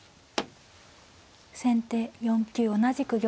先手４九同じく玉。